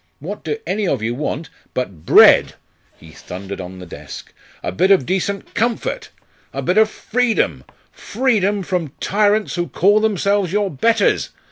What do any of you want, but bread " He thundered on the desk " a bit of decent comfort a bit of freedom freedom from tyrants who call themselves your betters!